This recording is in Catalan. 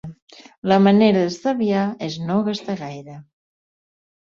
La manera d'estalviar és no gastar gaire.